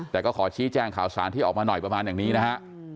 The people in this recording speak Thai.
แต่ก็ขอชี้แจ้งข่าวสารที่ออกมาหน่อยประมาณอย่างนี้นะฮะ